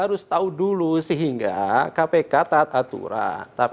harus tahu dulu sehingga kpk taat aturan